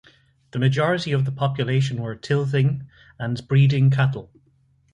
The majority of the population were tilthing and breeding cattle.